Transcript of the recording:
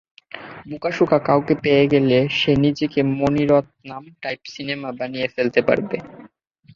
বোকাসোকা কাউকে পেয়ে গেলে, সে নিজেই মনি রত্নাম টাইপ সিনেমা বানিয়ে ফেলতে পারবে!